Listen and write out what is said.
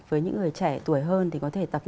với những người trẻ tuổi hơn thì có thể tập